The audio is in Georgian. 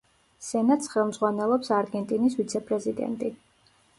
სენატს ხელმძღვანელობს არგენტინის ვიცე-პრეზიდენტი.